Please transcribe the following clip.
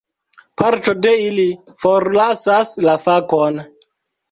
Parto de ili forlasas la fakon.